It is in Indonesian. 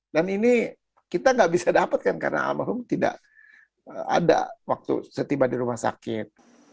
dan ini kita nggak bisa dapatkan karena almarhum tidak ada waktu setiba di rumah sakit